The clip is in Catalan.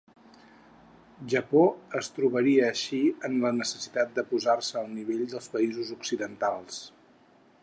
Japó es trobaria així en la necessitat de posar-se al nivell dels països occidentals.